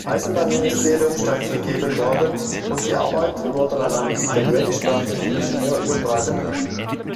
Eisenbahnministerium stattgegeben worden, und die Arbeiten wurden an einen italienischsprachigen Ingenieur übertragen.